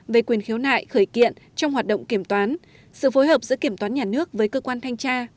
về quyền khiếu nại khởi kiện trong hoạt động kiểm toán sự phối hợp giữa kiểm toán nhà nước với cơ quan thanh tra